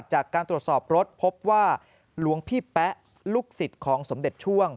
จากการตรวจสอบรถพบว่าหลวงพี่แป๊ะลูกศิษย์ของสมเด็จช่วง